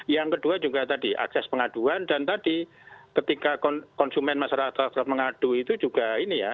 yang kedua juga tadi akses pengaduan dan tadi ketika konsumen masyarakat mengadu itu juga ini ya